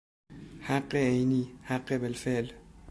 حق عینی، حق بالفعل